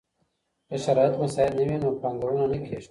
که شرايط مساعد نه وي نو پانګونه نه کيږي.